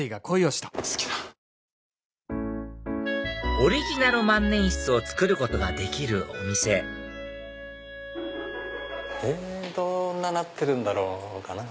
オリジナル万年筆を作ることができるお店どんななってるんだろうかな？